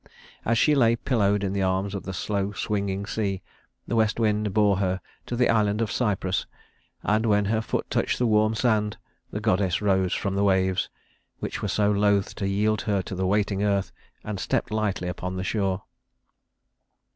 As she lay pillowed in the arms of the slow swinging sea, the west wind bore her to the island of Cyprus; and when her foot touched the warm sand, the goddess rose from the waves, which were so loth to yield her to the waiting earth, and stepped lightly upon the shore.